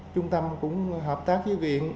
trung tâm cũng hợp tác với viện